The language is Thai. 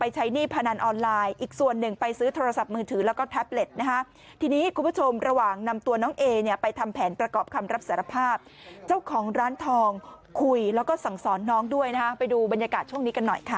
ไปหนี้พนันออนไลน์อีกส่วนหนึ่งไปซื้อโทรศัพท์มือถือแล้วก็แท็บเล็ตนะฮะทีนี้คุณผู้ชมระหว่างนำตัวน้องเอเนี่ยไปทำแผนประกอบคำรับสารภาพเจ้าของร้านทองคุยแล้วก็สั่งสอนน้องด้วยนะฮะไปดูบรรยากาศช่วงนี้กันหน่อยค่ะ